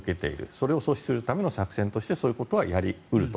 それを阻止するための作戦としてそういうことはやり得ると。